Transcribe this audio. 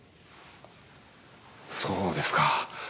そうですか。